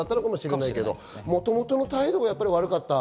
もともとの態度が悪かったと。